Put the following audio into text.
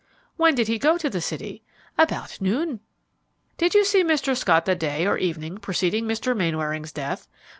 "When did he go to the city?" "About noon." "Did you see Mr. Scott the day or evening preceding Mr. Mainwaring's death?"